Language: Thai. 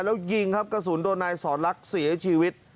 แล้วยิงครับกระสุนโดนนายสอนลักษณ์เสียชีวิต